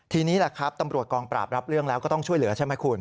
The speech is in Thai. ทีนี้แหละครับตำรวจกองปราบรับเรื่องแล้วก็ต้องช่วยเหลือใช่ไหมคุณ